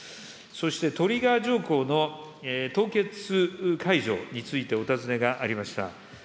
そしてトリガー条項の凍結解除についてお尋ねがありました。